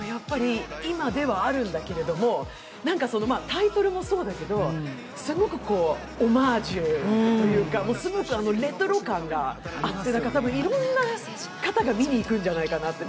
今ではあるんだけども、タイトルもそうだけど、すごくオマージュというか、すごくレトロ感があっていろんな方が見に行くんじゃないかなって。